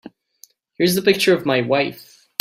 Here's the picture of my wife.